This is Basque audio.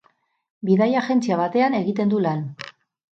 Bidaia-agentzia batean egiten du lan.